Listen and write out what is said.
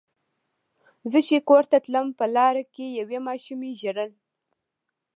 زه چې کور ته تلم په لاره کې یوې ماشومې ژړل.